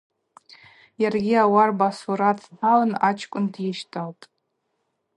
Йаргьи ауарба асурат дталын ачкӏвын дйыщталтӏ.